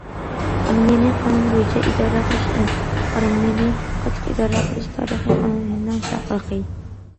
ئارمىيەنى قانۇن بويىچە ئىدارە قىلىش، ئارمىيەنى قاتتىق ئىدارە قىلىش- تارىخىي قانۇنىيەتنىڭ چاقىرىقى.